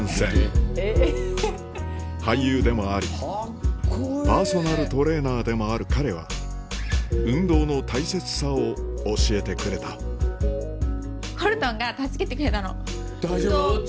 俳優でもありパーソナルトレーナーでもある彼は運動の大切さを教えてくれたコルトンが助けてくれたの。